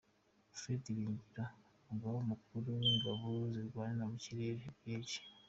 Fred Ibingira n’Umugaba Mukuru w’Ingabo zirwanira mu kirere, Brig.